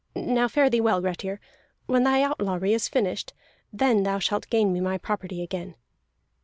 Now fare thee well, Grettir. When thy outlawry is finished, then thou shalt gain me my property again."